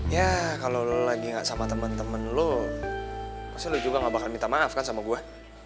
ya kalau lo lagi gak sama teman teman lo pasti lo juga gak bakal minta maaf kan sama gue